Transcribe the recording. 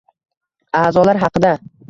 A’zolar haqida